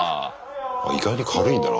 意外に軽いんだな。